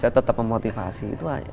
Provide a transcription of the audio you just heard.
saya tetap memotivasi